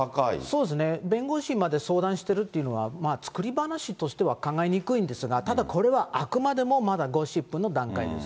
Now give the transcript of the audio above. そうですね、弁護士まで相談してるっていうのは、まあ、作り話としては考えにくいんですが、ただ、これはあくまでもまだゴシップの段階です。